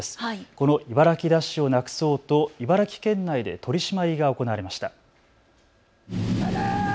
この茨城ダッシュをなくそうと茨城県内で取締りが行われました。